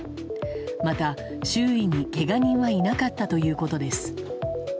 また周囲に、けが人はいなかったということです。